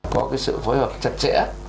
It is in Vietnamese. có sự phối hợp chặt chẽ